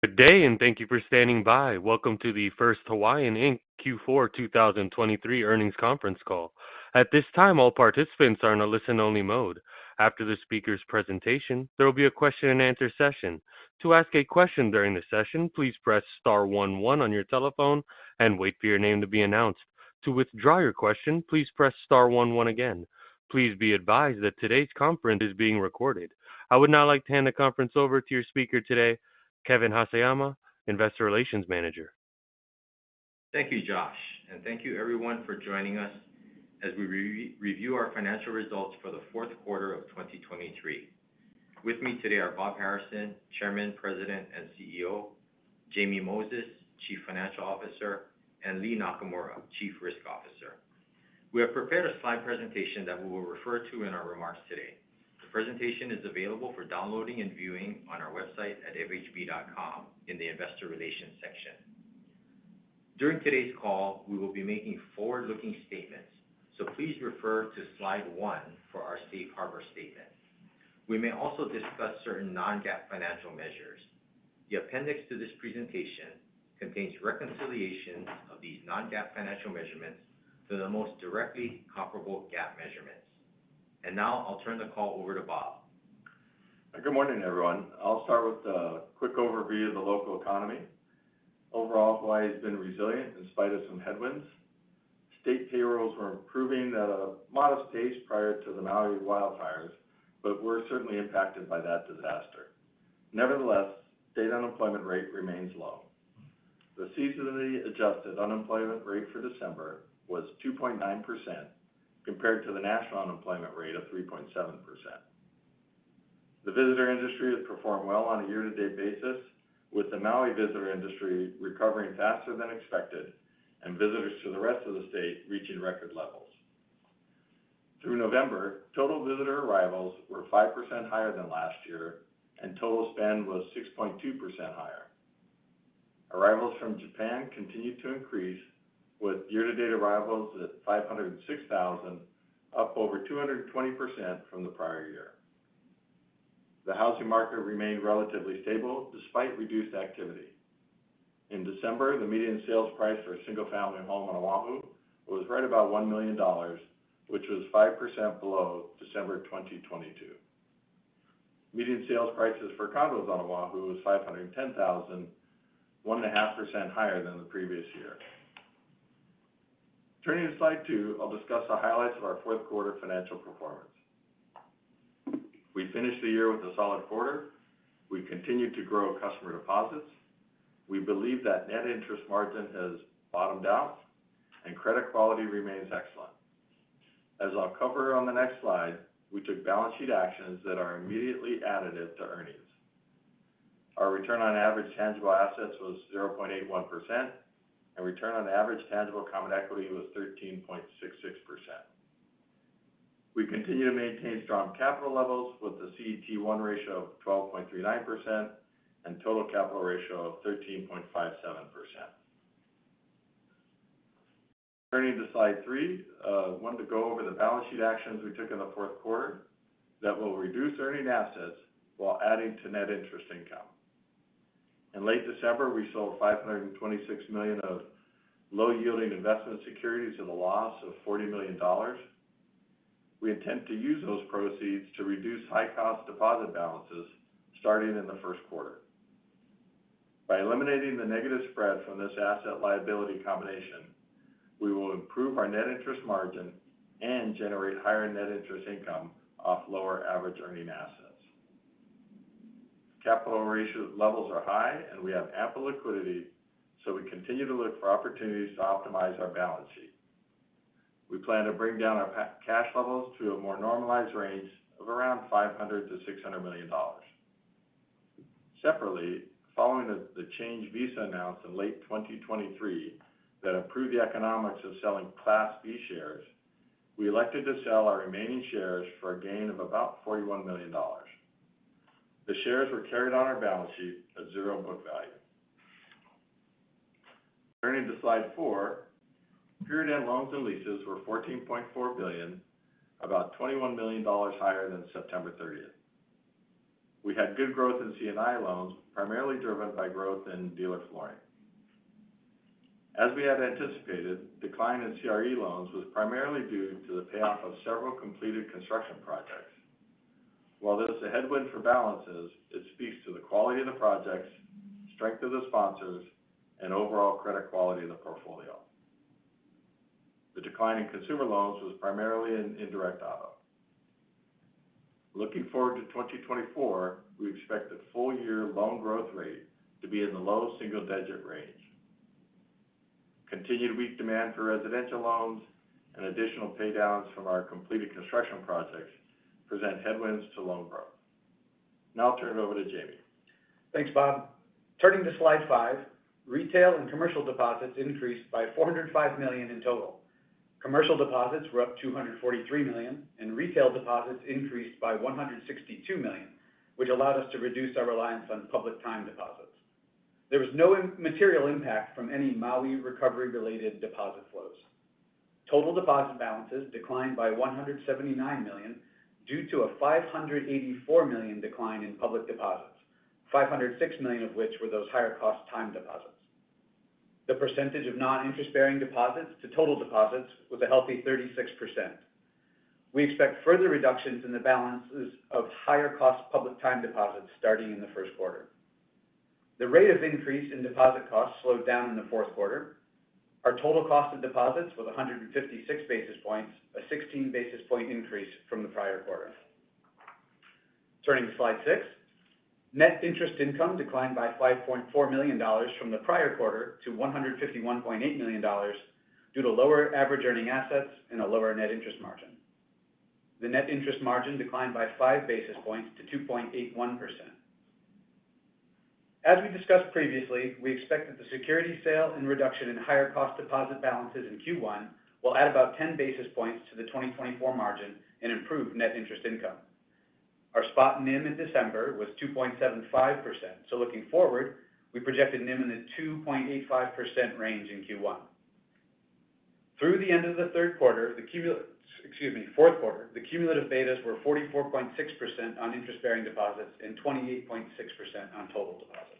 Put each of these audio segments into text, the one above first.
Good day, and thank you for standing by. Welcome to the First Hawaiian, Inc. Q4 2023 earnings conference call. At this time, all participants are in a listen-only mode. After the speaker's presentation, there will be a question-and-answer session. To ask a question during the session, please press star one one on your telephone and wait for your name to be announced. To withdraw your question, please press star one one again. Please be advised that today's conference is being recorded. I would now like to hand the conference over to your speaker today, Kevin Haseyama, Investor Relations Manager. Thank you, Josh, and thank you everyone for joining us as we re-review our financial results for the Q4 of 2023. With me today are Bob Harrison, Chairman, President, and CEO, Jamie Moses, Chief Financial Officer, and Lea Nakamura, Chief Risk Officer. We have prepared a slide presentation that we will refer to in our remarks today. The presentation is available for downloading and viewing on our website at fhb.com in the Investor Relations section. During today's call, we will be making forward-looking statements, so please refer to slide 1 for our safe harbor statement. We may also discuss certain non-GAAP financial measures. The appendix to this presentation contains reconciliations of these non-GAAP financial measurements to the most directly comparable GAAP measurements. Now I'll turn the call over to Bob. Good morning, everyone. I'll start with a quick overview of the local economy. Overall, Hawaii has been resilient inspite of some headwinds. State payrolls were improving at a modest pace prior to the Maui wildfires, but were certainly impacted by that disaster. Nevertheless, state unemployment rate remains low. The seasonally adjusted unemployment rate for December was 2.9%, compared to the national unemployment rate of 3.7%. The visitor industry has performed well on a year-to-date basis, with the Maui visitor industry recovering faster than expected and visitors to the rest of the state reaching record levels. Through November, total visitor arrivals were 5% higher than last year, and total spend was 6.2% higher. Arrivals from Japan continued to increase, with year-to-date arrivals at 506,000, up over 220% from the prior year. The housing market remained relatively stable despite reduced activity. In December, the median sales price for a single-family home on Oahu was right about $1 million, which was 5% below December 2022. Median sales prices for condos on Oahu was $510,000, 1.5% higher than the previous year. Turning to Slide 2, I'll discuss the highlights of our Q4 financial performance. We finished the year with a solid quarter. We continued to grow customer deposits. We believe that net interest margin has bottomed out and credit quality remains excellent. As I'll cover on the next slide, we took balance sheet actions that are immediately additive to earnings. Our return on average tangible assets was 0.81%, and return on average tangible common equity was 13.66%. We continue to maintain strong capital levels with a CET1 ratio of 12.39% and total capital ratio of 13.57%. Turning to slide 3, I wanted to go over the balance sheet actions we took in the Q4 that will reduce earning assets while adding to net interest income. In late December, we sold $526 million of low-yielding investment securities at a loss of $40 million. We intend to use those proceeds to reduce high-cost deposit balances starting in the Q1. By eliminating the negative spread from this asset liability combination, we will improve our net interest margin and generate higher net interest income off lower average earning assets. Capital ratio levels are high and we have ample liquidity, so we continue to look for opportunities to optimize our balance sheet. We plan to bring down our cash levels to a more normalized range of around $500 million to $600 million. Separately, following the change Visa announced in late 2023 that improved the economics of selling Class B shares, we elected to sell our remaining shares for a gain of about $41 million. The shares were carried on our balance sheet at zero book value. Turning to slide 4, period-end loans and leases were $14.4 billion, about $21 million higher than 30th September. We had good growth in C&I loans, primarily driven by growth in dealer flooring. As we had anticipated, decline in CRE loans was primarily due to the payoff of several completed construction projects. While this is a headwind for balances, it speaks to the quality of the projects, strength of the sponsors and overall credit quality of the portfolio. The decline in consumer loans was primarily in indirect auto. Looking forward to 2024, we expect the full-year loan growth rate to be in the low single-digit range. Continued weak demand for residential loans and additional paydowns from our completed construction projects present headwinds to loan growth. Now I'll turn it over to Jamie. Thanks, Bob. Turning to slide five, retail and commercial deposits increased by $405 million in total. Commercial deposits were up $243 million, and retail deposits increased by $162 million, which allowed us to reduce our reliance on public time deposits. There was no immaterial impact from any Maui recovery-related deposit flows.... total deposit balances declined by $179 million, due to a $584 million decline in public deposits, $506 million of which were those higher cost time deposits. The percentage of non-interest bearing deposits to total deposits was a healthy 36%. We expect further reductions in the balances of higher cost public time deposits starting in the Q1. The rate of increase in deposit costs slowed down in the Q4. Our total cost of deposits was 156 basis points, a 16 basis point increase from the prior quarter. Turning to slide six. Net interest income declined by $5.4 million from the prior quarter to $151.8 million, due to lower average earning assets and a lower net interest margin. The net interest margin declined by 5 basis points to 2.81%. As we discussed previously, we expect that the security sale and reduction in higher cost deposit balances in Q1 will add about 10 basis points to the 2024 margin and improve net interest income. Our spot NIM in December was 2.75%. So looking forward, we projected NIM in the 2.85% range in Q1. Through the end of the Q3, excuse me, Q4, the cumulative betas were 44.6% on interest-bearing deposits and 28.6% on total deposits.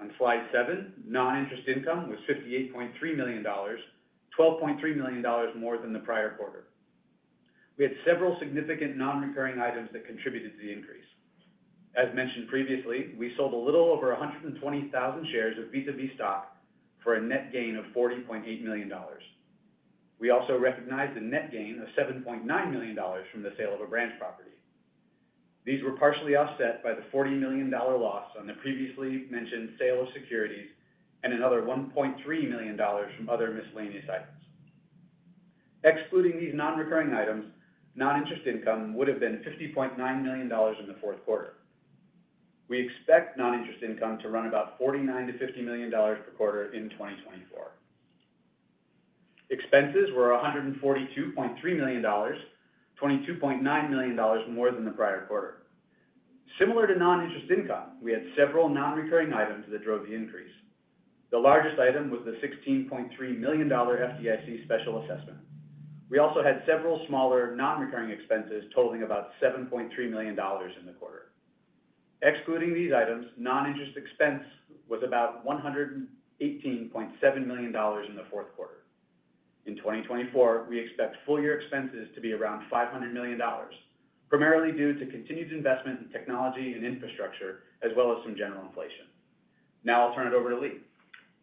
On slide 7, non-interest income was $58.3 million, $12.3 million more than the prior quarter. We had several significant non-recurring items that contributed to the increase. As mentioned previously, we sold a little over 120,000 shares of Visa B stock for a net gain of $40.8 million. We also recognized a net gain of $7.9 million from the sale of a branch property. These were partially offset by the $40 million loss on the previously mentioned sale of securities and another $1.3 million from other miscellaneous items. Excluding these non-recurring items, non-interest income would have been $50.9 million in the Q4. We expect non-interest income to run about $49 million to $50 million per quarter in 2024. Expenses were $142.3 million, $22.9 million more than the prior quarter. Similar to non-interest income, we had several non-recurring items that drove the increase. The largest item was the $16.3 million FDIC special assessment. We also had several smaller non-recurring expenses totaling about $7.3 million in the quarter. Excluding these items, non-interest expense was about $118.7 million in the Q4. In 2024, we expect full year expenses to be around $500 million primarily due to continued investment in technology and infrastructure, as well as some general inflation. Now I'll turn it over to Lea.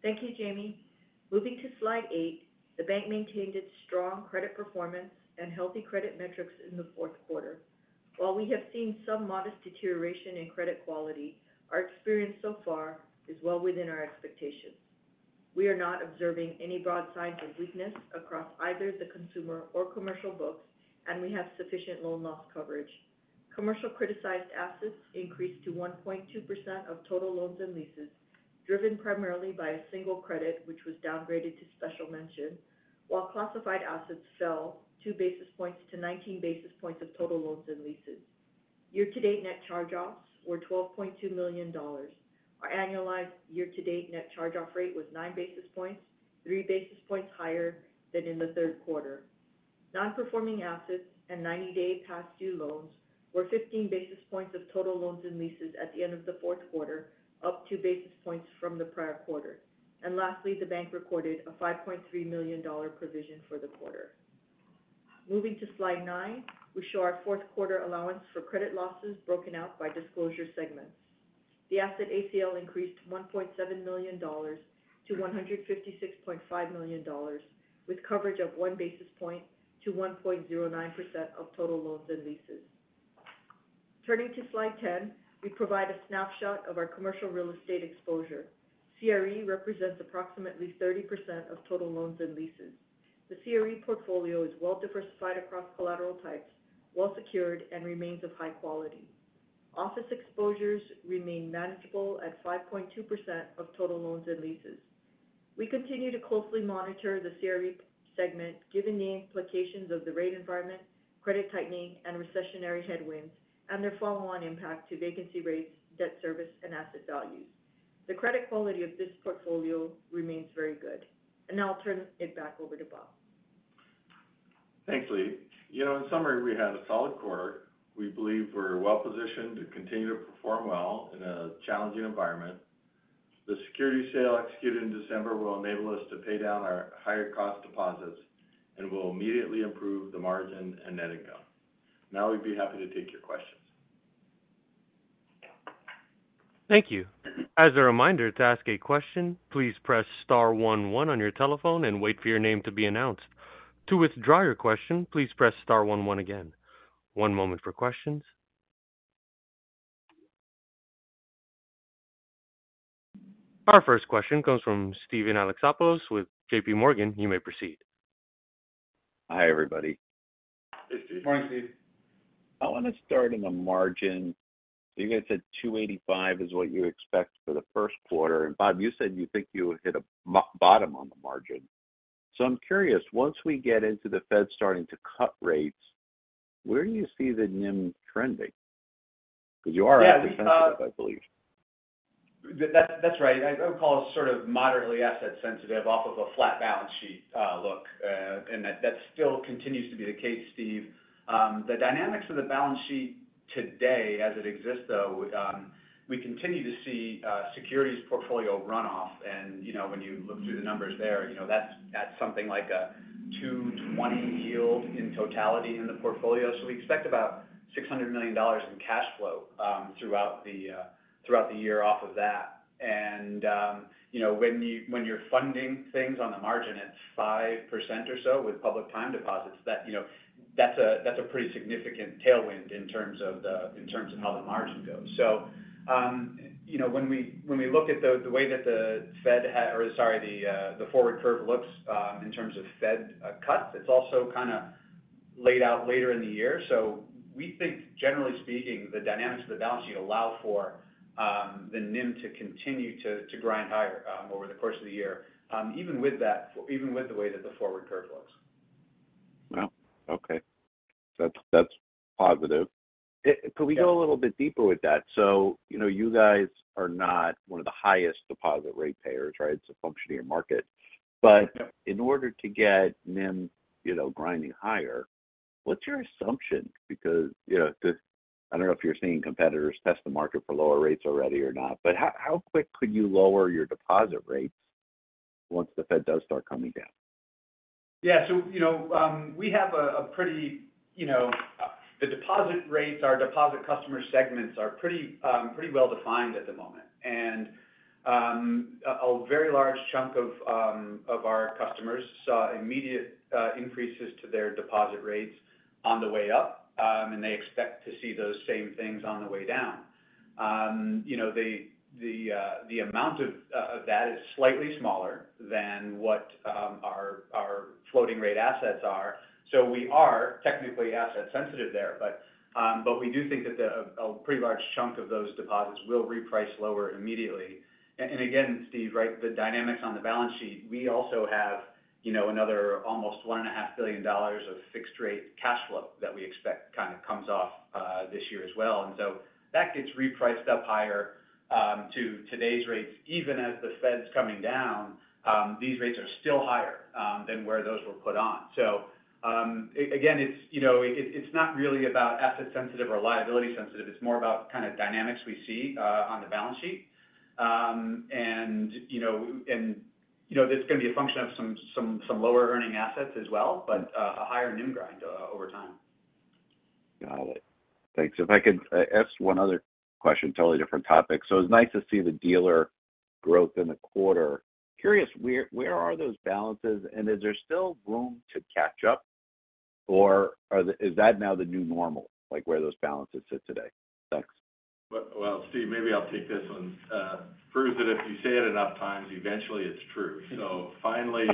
Thank you, Jamie. Moving to slide eight, the bank maintained its strong credit performance and healthy credit metrics in the Q4. While we have seen some modest deterioration in credit quality, our experience so far is well within our expectations. We are not observing any broad signs of weakness across either the consumer or commercial books, and we have sufficient loan loss coverage. Commercial criticized assets increased to 1.2% of total loans and leases, driven primarily by a single credit, which was downgraded to special mention, while classified assets fell 2 basis points to 19 basis points of total loans and leases. Year to date net charge-offs were $12.2 million. Our annualized year to date net charge-off rate was 9 basis points, 3 basis points higher than in the Q3. Non-performing assets and 90-day past due loans were 15 basis points of total loans and leases at the end of the Q4, up 2 basis points from the prior quarter. And lastly, the bank recorded a $5.3 million provision for the quarter. Moving to slide nine, we show our Q4 allowance for credit losses broken out by disclosure segments. The asset ACL increased $1.7 million to $156.5 million, with coverage of 1 basis point to 1.09% of total loans and leases. Turning to slide 10, we provide a snapshot of our commercial real estate exposure. CRE represents approximately 30% of total loans and leases. The CRE portfolio is well diversified across collateral types, well secured, and remains of high quality. Office exposures remain manageable at 5.2% of total loans and leases. We continue to closely monitor the CRE segment, given the implications of the rate environment, credit tightening and recessionary headwinds, and their follow-on impact to vacancy rates, debt service, and asset values. The credit quality of this portfolio remains very good. Now I'll turn it back over to Bob. Thanks, Lee. You know, in summary, we had a solid quarter. We believe we're well positioned to continue to perform well in a challenging environment. The security sale executed in December will enable us to pay down our higher cost deposits and will immediately improve the margin and net income. Now, we'd be happy to take your questions. Thank you. As a reminder to ask a question, please press star one one on your telephone and wait for your name to be announced. To withdraw your question, please press star one one again. One moment for questions. Our first question comes from Steven Alexopoulos with JPMorgan. You may proceed. Hi, everybody. Hey, Steve. Good morning, Steve. I want to start on the margin. You guys said 285 is what you expect for the Q1. Bob, you said you think you hit a bottom on the margin. I'm curious, once we get into the Fed starting to cut rates, where do you see the NIM trending? Because you are on the offensive, I believe. That, that's right. I would call it sort of moderately asset sensitive off of a flat balance sheet, and that still continues to be the case, Steve. The dynamics of the balance sheet today as it exists, though, we continue to see securities portfolio run off. And, you know, when you look through the numbers there, you know, that's something like a 2.20 yield in totality in the portfolio. So we expect about $600 million in cash flow throughout the year off of that. And you know, when you're funding things on the margin at 5% or so with public time deposits, that you know, that's a pretty significant tailwind in terms of how the margin goes. So you know, when we when we look at the, the way that the Fed has—or sorry, the, the forward curve looks, in terms of Fed, cuts, it's also kind of laid out later in the year. So we think, generally speaking, the dynamics of the balance sheet allow for, the NIM to continue to, to grind higher, over the course of the year, even with that—even with the way that the forward curve looks. Well, okay. That's positive. Could we go a little bit deeper with that? So, you know, you guys are not one of the highest deposit rate payers, right? It's a function of your market. Yep. But in order to get NIM you know, grinding higher, what's your assumption? Because, you know, the... I don't know if you're seeing competitors test the market for lower rates already or not, but how, how quick could you lower your deposit rates once the Fed does start coming down? Yeah. So, you know, we have a pretty, you know, the deposit rates, our deposit customer segments are pretty, pretty well-defined at the moment. And, a very large chunk of our customers saw immediate, increases to their deposit rates on the way up, and they expect to see those same things on the way down. You know, the, the amount of that is slightly smaller than what, our floating rate assets are. So we are technically asset sensitive there, but, but we do think that the, a pretty large chunk of those deposits will reprice lower immediately. And again, Steve, right, the dynamics on the balance sheet, we also have, you know, another almost $1.5 billion of fixed rate cash flow that we expect kind of comes off this year as well. And so that gets repriced up higher to today's rates. Even as the Fed's coming down, these rates are still higher than where those were put on. So again, it's, you know, it, it's not really about asset sensitive or liability sensitive, it's more about kind of dynamics we see on the balance sheet. And, you know, that's going to be a function of some lower earning assets as well, but a higher NIM grind over time. Got it. Thanks. If I could ask one other question, totally different topic. So it's nice to see the dealer growth in the quarter. Curious, where are those balances, and is there still room to catch up, or is that now the new normal, like, where those balances sit today? Thanks. Well, Steve, maybe I'll take this one. Proves that if you say it enough times, eventually it's true. So finally,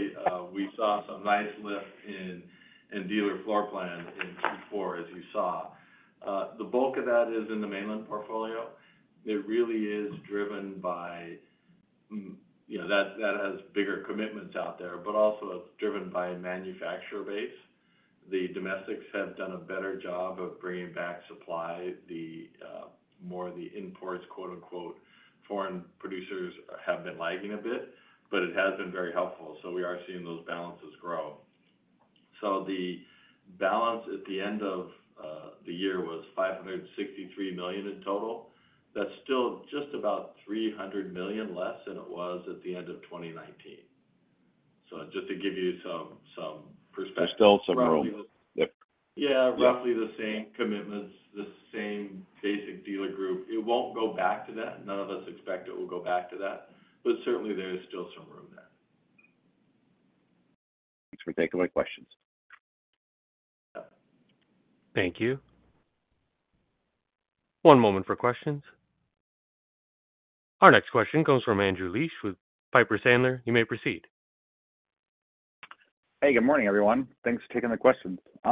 we saw some nice lift in dealer floor plans in Q4, as you saw. The bulk of that is in the mainland portfolio. It really is driven by, you know, that, that has bigger commitments out there, but also it's driven by a manufacturer base. The domestics have done a better job of bringing back supply. The more the imports, quote-unquote, "foreign producers" have been lagging a bit, but it has been very helpful, so we are seeing those balances grow. So the balance at the end of the year was $563 million in total. That's still just about $300 million less than it was at the end of 2019. So just to give you some perspective. There's still some room. Yep. Yeah. Yeah. Roughly the same commitments, the same basic dealer group. It won't go back to that. None of us expect it will go back to that, but certainly there is still some room there. Thanks for taking my questions. Thank you. One moment for questions. Our next question comes from Andrew Liesch with Piper Sandler. You may proceed. Hey, good morning, everyone. Thanks for taking the questions. Hey,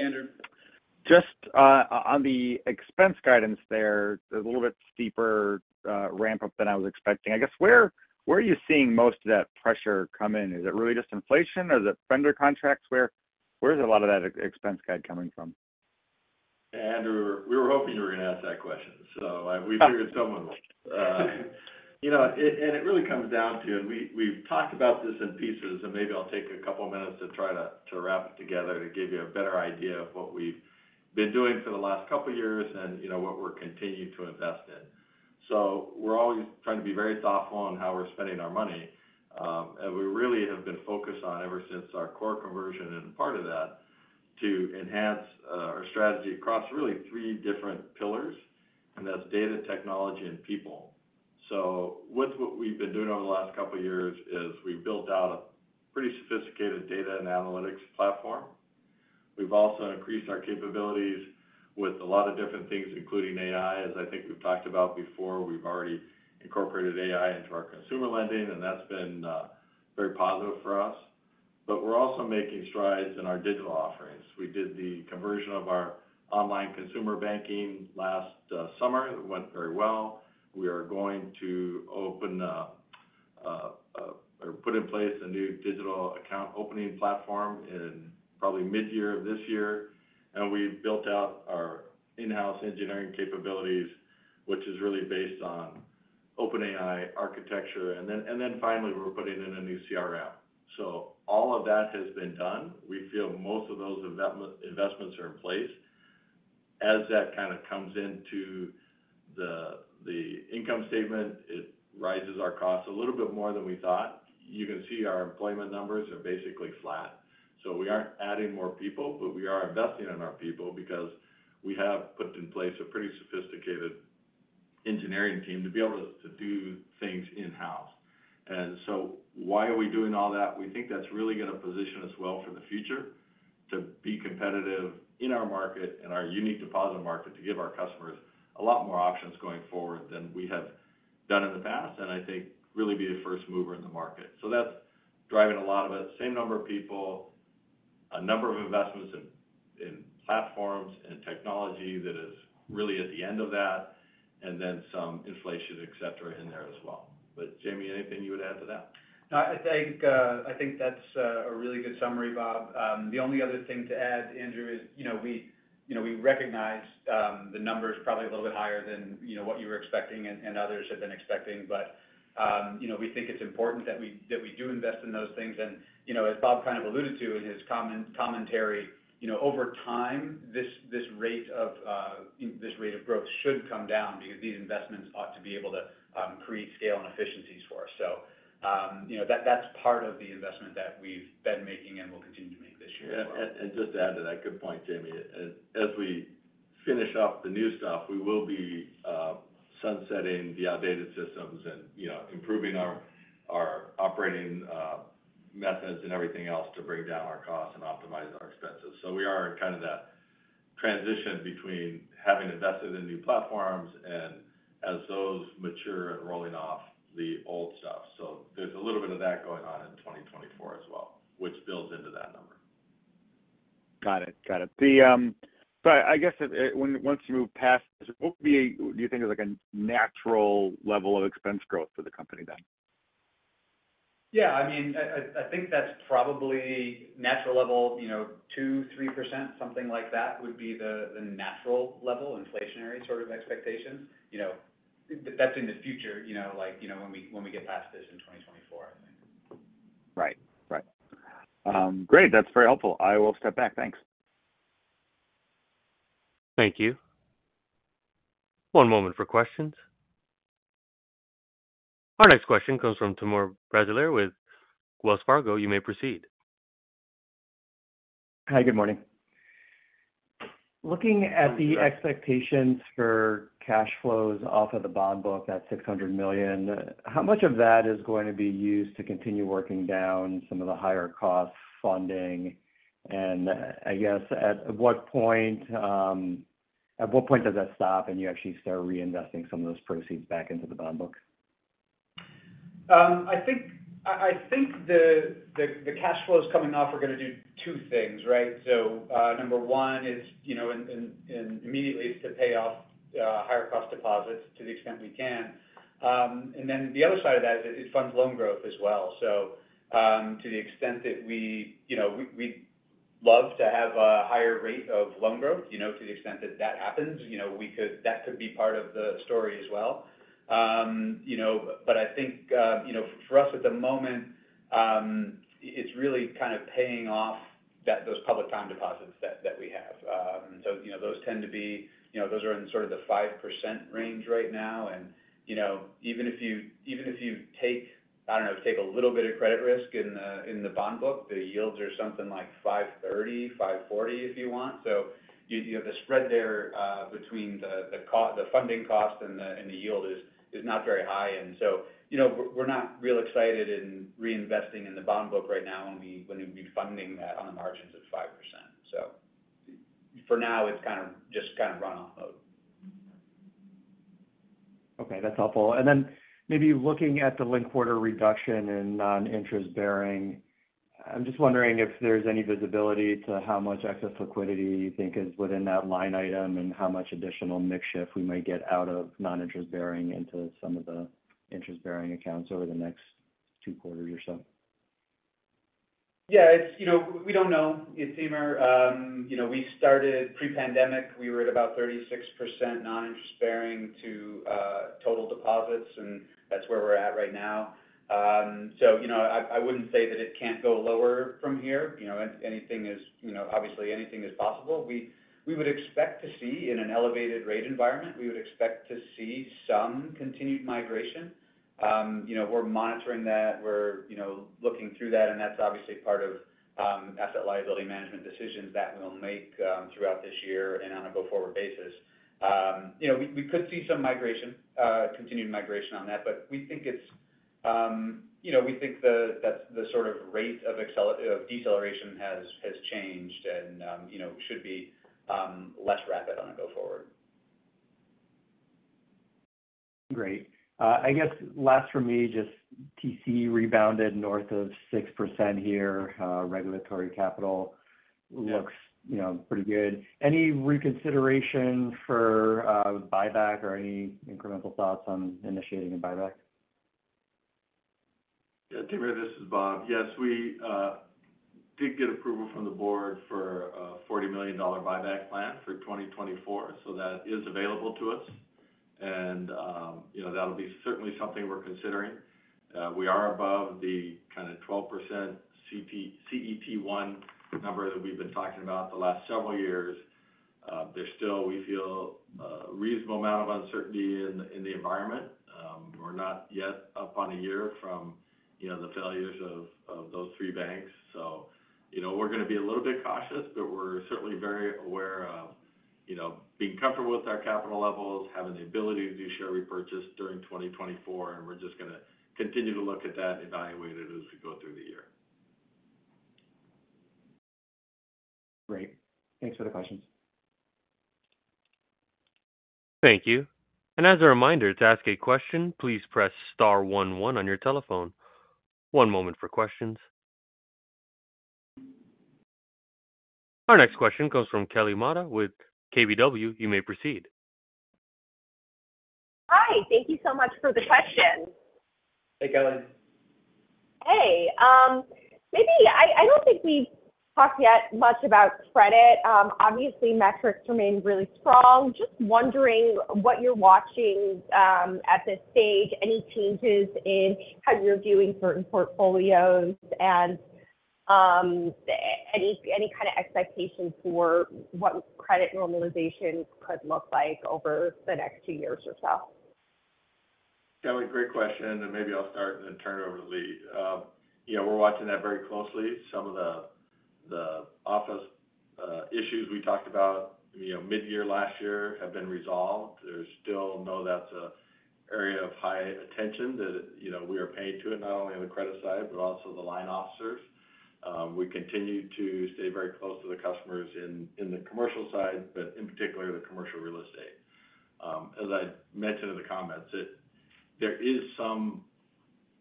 Andrew. Just, on the expense guidance there, there's a little bit steeper ramp up than I was expecting. I guess, where are you seeing most of that pressure come in? Is it really just inflation, or is it vendor contracts? Where is a lot of that expense guide coming from? Andrew, we were hoping you were going to ask that question, so we figured someone would. You know, and it really comes down to, and we, we've talked about this in pieces, and maybe I'll take a couple of minutes to try to wrap it together to give you a better idea of what we've been doing for the last couple of years and you know, what we're continuing to invest in. So we're always trying to be very thoughtful on how we're spending our money, and we really have been focused on, ever since our core conversion and part of that, to enhance, our strategy across really three different pillars, and that's data, technology, and people. So with what we've been doing over the last couple of years is we've built out a pretty sophisticated data and analytics platform. We've also increased our capabilities with a lot of different things, including AI. As I think we've talked about before, we've already incorporated AI into our consumer lending, and that's been very positive for us. But we're also making strides in our digital offerings. We did the conversion of our online consumer banking last summer. It went very well. We are going to put in place a new digital account opening platform in probably mid-year of this year. And we've built out our in-house engineering capabilities, which is really based on open AI architecture. And then finally, we're putting in a new CRM. So all of that has been done. We feel most of those investments are in place. As that kind of comes into the income statement, it rises our costs a little bit more than we thought. You can see our employment numbers are basically flat. So we aren't adding more people, but we are investing in our people because we have put in place a pretty sophisticated engineering team to be able to do things in-house. And so why are we doing all that? We think that's really going to position us well for the future to be competitive in our market and our unique deposit market, to give our customers a lot more options going forward than we have done in the past, and I think really be a first mover in the market. So that's driving a lot of it. Same number of people, a number of investments in platforms and technology that is really at the end of that, and then some inflation, et cetera, in there as well. But Jamie, anything you would add to that? No, I think, I think that's a really good summary, Bob. The only other thing to add, Andrew, is you know, we, you know, we recognize, the number is probably a little bit higher than, you know, what you were expecting and, and others have been expecting. But, you know, we think it's important that we, that we do invest in those things. And, you know, as Bob kind of alluded to in his commentary, you know, over time, this, this rate of, this rate of growth should come down because these investments ought to be able to, create scale and efficiencies for us. So, you know, that's part of the investment that we've been making and will continue to make this year as well. Yeah. And just to add to that good point, Jamie, as we finish up the new stuff, we will be sunsetting the outdated systems and, you know, improving our operating methods and everything else to bring down our costs and optimize our expenses. So we are in kind of that transition between having invested in new platforms and as those mature and rolling off the old stuff. So there's a little bit of that going on in 2024 as well, which builds into that number. Got it. Got it. So I guess, once you move past this, what would be, do you think, of, like a natural level of expense growth for the company then? Yeah. I mean, I think that's probably natural level, you know, 2% to 3%, something like that, would be the natural level, inflationary sort of expectations. You know but that's in the future, you know, like, you know, when we get past this in 2024, I think. Right. Right. Great. That's very helpful. I will step back. Thanks. Thank you. One moment for questions. Our next question comes from Timur Braziler with Wells Fargo. You may proceed. Hi, good morning. Looking at the expectations for cash flows off of the bond book, that $600 million, how much of that is going to be used to continue working down some of the higher cost funding? And I guess, at what point, at what point does that stop, and you actually start reinvesting some of those proceeds back into the bond book? I think the cash flows coming off are going to do two things, right? number one is, you know, immediately to pay off higher cost deposits to the extent we can. And then the other side of that is it funds loan growth as well. To the extent that we, you know, we'd love to have a higher rate of loan growth, you know, to the extent that that happens, you know, we could, that could be part of the story as well. You know, but I think, you know, for us at the moment, it's really kind of paying off those public time deposits that we have. So, you know, those tend to be, you know, those are in sort of the 5% range right now. And, you know, even if you, even if you take, I don't know, take a little bit of credit risk in the, in the bond book, the yields are something like 5.30 to 5.40, if you want. So you, you have the spread there, between the funding cost and the yield is not very high. And so, you know, we're, we're not real excited in reinvesting in the bond book right now when we, when it would be funding that on the margins of 5%. So for now, it's kind of just kind of run-off mode. Okay, that's helpful. And then maybe looking at the linked quarter reduction in non-interest bearing, I'm just wondering if there's any visibility to how much excess liquidity you think is within that line item, and how much additional mix shift we might get out of non-interest bearing into some of the interest-bearing accounts over the next two quarters or so? Yeah, it's. You know, we don't know. It seems, you know we started pre-pandemic, we were at about 36% non-interest bearing to total deposits, and that's where we're at right now. So you know, I wouldn't say that it can't go lower from here. You know, anything is you know, obviously anything is possible. We would expect to see in an elevated rate environment, we would expect to see some continued migration. You know, we're monitoring that, we're you know, looking through that, and that's obviously part of asset liability management decisions that we'll make throughout this year and on a go-forward basis. You know, we could see some migration, continued migration on that, but we think it's, you know, we think that the sort of rate of accel- of deceleration has changed and you know, should be less rapid on a go forward. Great. I guess last for me, just TCE rebounded north of 6% here. regulatory capital- Yeah... looks, you know, pretty good. Any reconsideration for buyback or any incremental thoughts on initiating a buyback?... Yeah, Timur, this is Bob. Yes, we did get approval from the board for a $40 million buyback plan for 2024, so that is available to us. You know, that'll be certainly something we're considering. We are above the kind of 12% CET1 number that we've been talking about the last several years. There's still, we feel, a reasonable amount of uncertainty in the environment. We're not yet up on a year from you know, the failures of those three banks. So you know, we're going to be a little bit cautious, but we're certainly very aware of you know, being comfortable with our capital levels, having the ability to do share repurchases during 2024, and we're just going to continue to look at that and evaluate it as we go through the year. Great. Thanks for the questions. Thank you. And as a reminder, to ask a question, please press star one one on your telephone. One moment for questions. Our next question comes from Kelly Motta with KBW. You may proceed. Hi, thank you so much for the question. Hey, Kelly. Hey, maybe I don't think we've talked yet much about credit. Obviously, metrics remain really strong. Just wondering what you're watching at this stage, any changes in how you're viewing certain portfolios and any kind of expectations for what credit normalization could look like over the next two years or so? Kelly, great question, and maybe I'll start and then turn it over to Lea. You know, we're watching that very closely. Some of the office issues we talked about, you know, mid-year last year have been resolved. There's still, you know, that's an area of high attention that, you know, we are paying to it, not only on the credit side, but also the line officers. We continue to stay very close to the customers in the commercial side, but in particular, the commercial real estate. As I mentioned in the comments, there is some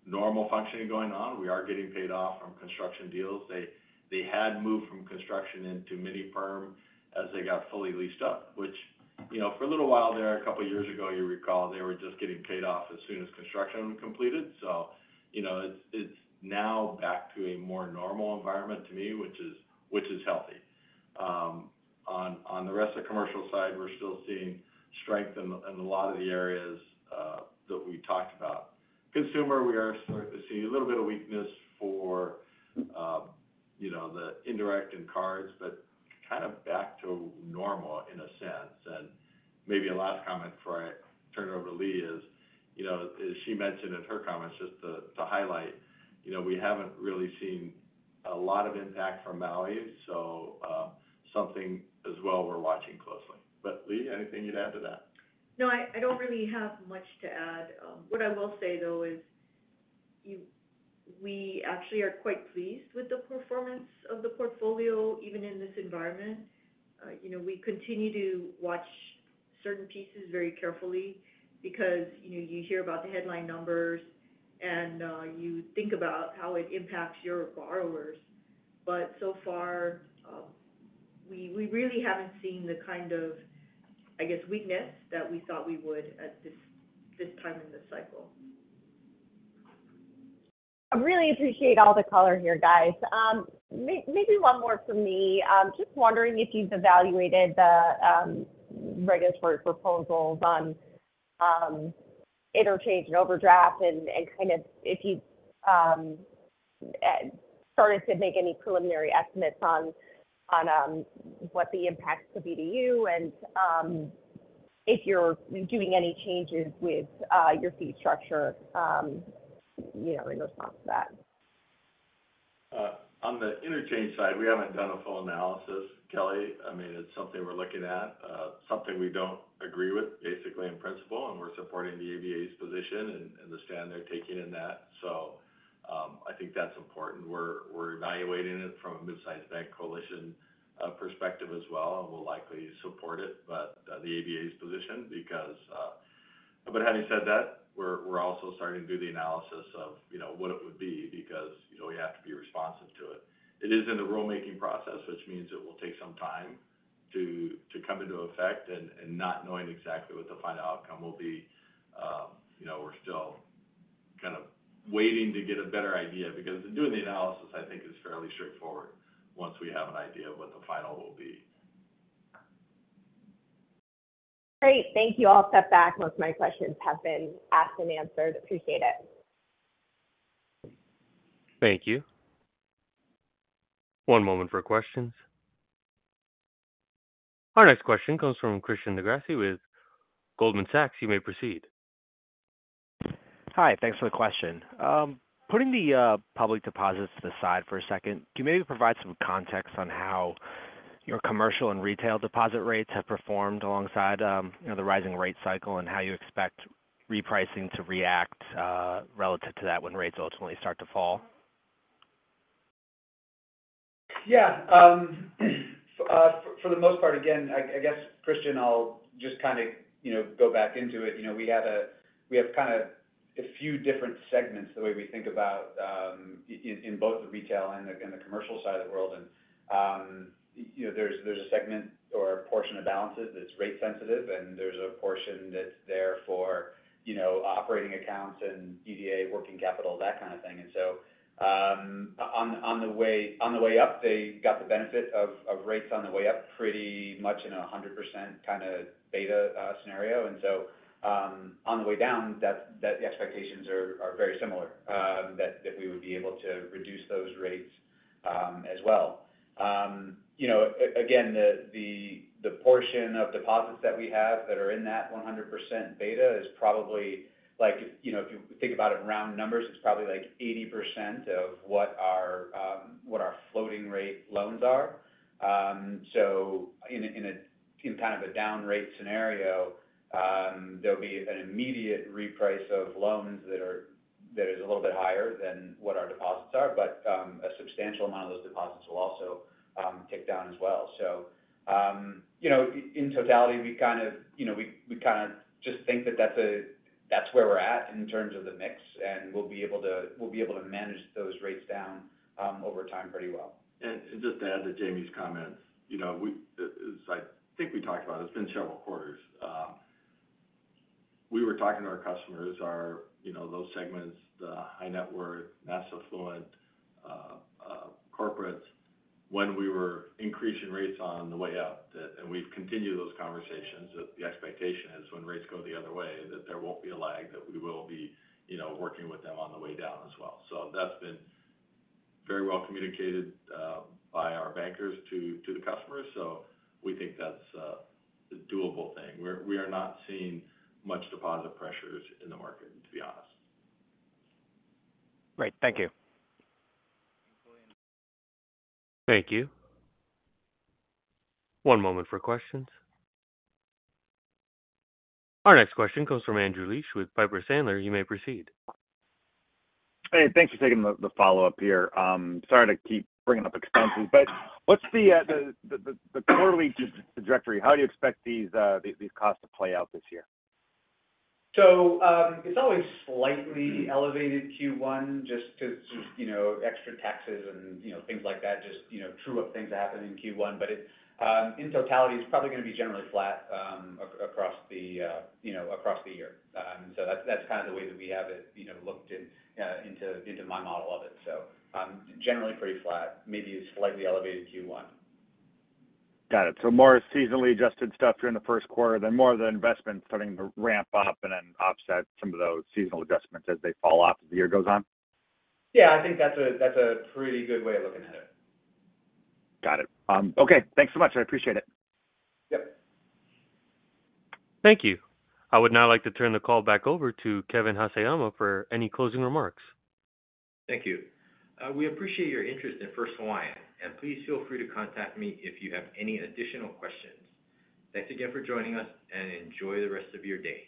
normal functioning going on. We are getting paid off from construction deals. They, they had moved from construction into mini perm as they got fully leased up, which you know, for a little while there, a couple of years ago, you recall, they were just getting paid off as soon as construction was completed. So you know, it's, it's now back to a more normal environment to me, which is, which is healthy. On, on the rest of the commercial side, we're still seeing strength in, in a lot of the areas, that we talked about. Consumer, we are starting to see a little bit of weakness for you know, the indirect in cards, but kind of back to normal in a sense. Maybe a last comment before I turn it over to Lea is, you know, as she mentioned in her comments, just to highlight, you know, we haven't really seen a lot of impact from Maui, so something as well we're watching closely. But Lea, anything you'd add to that? No, I don't really have much to add. What I will say, though, is you-- we actually are quite pleased with the performance of the portfolio, even in this environment. You know, we continue to watch certain pieces very carefully because you know, you hear about the headline numbers and you think about how it impacts your borrowers. But so far, we really haven't seen the kind of, I guess, weakness that we thought we would at this time in the cycle. I really appreciate all the color here, guys. Maybe one more from me. Just wondering if you've evaluated the regulatory proposals on interchange and overdraft and kind of if you've started to make any preliminary estimates on what the impacts could be to you and if you're doing any changes with your fee structure, you know, in response to that. On the interchange side, we haven't done a full analysis, Kelly. I mean, it's something we're looking at, something we don't agree with, basically, in principle, and we're supporting the ABA's position and the stand they're taking in that. So, I think that's important. We're evaluating it from a mid-sized bank coalition perspective as well, and we'll likely support it, but the ABA's position because... But having said that, we're also starting to do the analysis of, you know, what it would be because, you know, we have to be responsive to it. It is in the rulemaking process, which means it will take some time to come into effect and not knowing exactly what the final outcome will be you know, we're still kind of waiting to get a better idea, because doing the analysis, I think, is fairly straightforward once we have an idea of what the final will be. Great. Thank you. I'll step back. Most of my questions have been asked and answered. Appreciate it. Thank you. One moment for questions. Our next question comes from Christian DeGrasse with Goldman Sachs. You may proceed. Hi, thanks for the question. Putting the public deposits to the side for a second, can you maybe provide some context on how your commercial and retail deposit rates have performed alongside, you know, the rising rate cycle, and how you expect repricing to react, relative to that when rates ultimately start to fall? Yeah, for the most part, again, I guess, Christian, I'll just kind of, you know, go back into it. You know, we have kind of a few different segments, the way we think about,... in both the retail and the commercial side of the world. And you know, there's a segment or a portion of balances that's rate sensitive, and there's a portion that's there for you know, operating accounts and DDA, working capital, that kind of thing. And so, on the way up, they got the benefit of rates on the way up pretty much in a 100% kind of beta scenario. And so, on the way down, that the expectations are very similar, that we would be able to reduce those rates as well. You know, again, the portion of deposits that we have that are in that 100% beta is probably like you know, if you think about it in round numbers, it's probably like 80% of what our floating rate loans are. So in kind of a down rate scenario, there'll be an immediate reprice of loans that are, that is a little bit higher than what our deposits are, but a substantial amount of those deposits will also tick down as well. So, you know, in totality, we kind of you know, we kind of just think that that's a, that's where we're at in terms of the mix, and we'll be able to manage those rates down over time pretty well. And just to add to Jamie's comments you know, we, as I think we talked about, it's been several quarters. We were talking to our customers, our you know, those segments, the high net worth, mass affluent, corporates, when we were increasing rates on the way up. That and we've continued those conversations, that the expectation is when rates go the other way, that there won't be a lag, that we will be you know, working with them on the way down as well. So that's been very well communicated by our bankers to the customers. So we think that's a doable thing. We are not seeing much deposit pressures in the market, to be honest. Great. Thank you. Thank you. One moment for questions. Our next question comes from Andrew Liesch with Piper Sandler. You may proceed. Hey, thanks for taking the follow-up here. Sorry to keep bringing up expenses, but what's the quarterly trajectory? How do you expect these costs to play out this year? So, it's always slightly elevated Q1, just because you know, extra taxes and you know, things like that just, you know, true up things that happen in Q1. But it, in totality, it's probably going to be generally flat, across the, you know, across the year. So that's, that's kind of the way that we have it you know, looked into my model of it. So, generally pretty flat, maybe a slightly elevated Q1. Got it. So more seasonally adjusted stuff during the Q1, then more of the investments starting to ramp up and then offset some of those seasonal adjustments as they fall off as the year goes on? Yeah, I think that's a pretty good way of looking at it. Got it. Okay. Thanks so much. I appreciate it. Yep. Thank you. I would now like to turn the call back over to Kevin Haseyama for any closing remarks. Thank you. We appreciate your interest in first Hawaiian, and please feel free to contact me if you have any additional questions. Thanks again for joining us, and enjoy the rest of your day.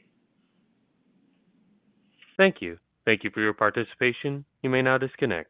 Thank you. Thank you for your participation. You may now disconnect.